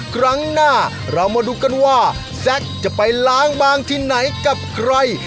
ครั้งหน้าเรามาดูกันว่าแซ็กจะไปล้างบางที่ไหนกับใคร